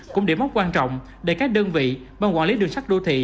cũng điểm mốc quan trọng để các đơn vị ban quản lý đường sắt đô thị